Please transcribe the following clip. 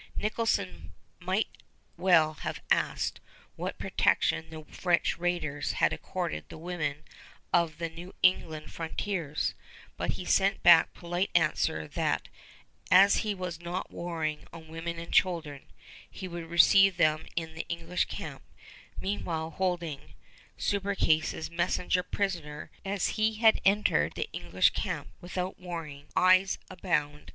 Nicholson might well have asked what protection the French raiders had accorded the women of the New England frontiers; but he sent back polite answer that "as he was not warring on women and children" he would receive them in the English camp, meanwhile holding Subercase's messenger prisoner, as he had entered the English camp without warning, eyes unbound.